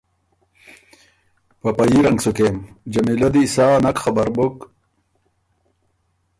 په په يي رنګ سُو کېم۔ جمیلۀ دی سا نک خبر بُک